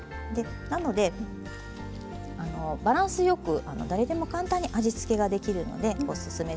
なのでバランスよく誰でも簡単に味付けができるのでおすすめです。